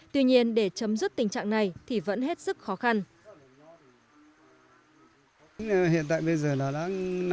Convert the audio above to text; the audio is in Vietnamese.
tuy nhiên để chấm dứt tình trạng này thì vẫn hết sức khó khăn